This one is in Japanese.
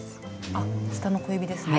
あっ下の小指ですね。